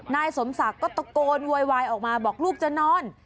นายสมศักดิ์ก็ตะโกนโวยวายออกมาบอกลูกจะนอน